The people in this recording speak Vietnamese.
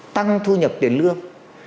tăng thu nhập tiền lương